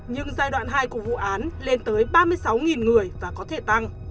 nhưng giai đoạn hai của vụ án lên tới ba mươi sáu người và có thể tăng